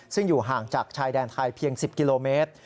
ซึ่งอยู่ห่างจากชายแดนไทยเพียง๑๐กิโลเมตร